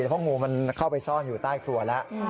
เพราะงูมันเข้าไปซ่อนอยู่ใต้ครัวแล้ว